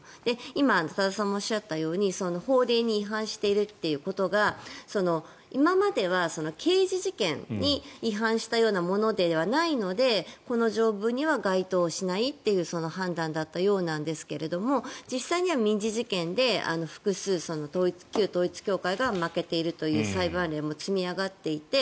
今、多田さんもおっしゃったように法令に違反しているということが今までは刑事事件に違反したようなものではないのでこの条文には該当しないっていう判断だったようなんですが実際には民事事件で複数旧統一教会が負けているという裁判例も積み上がっていて。